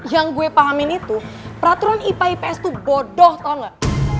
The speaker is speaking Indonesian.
yang gue pahamin itu peraturan ipa ips itu bodoh tau gak